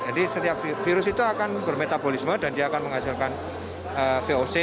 jadi setiap virus itu akan bermetabolisme dan dia akan menghasilkan voc